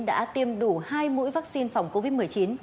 đã tiêm đủ hai mũi vaccine phòng covid một mươi chín